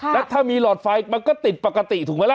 แล้วถ้ามีหลอดไฟมันก็ติดปกติถูกไหมล่ะ